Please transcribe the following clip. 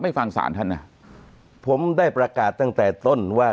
ฟังศาลท่านนะผมได้ประกาศตั้งแต่ต้นว่า